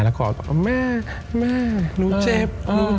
และม่าหนูเจ็บ